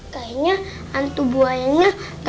kayaknya hantu buahnya